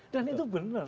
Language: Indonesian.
dan itu benar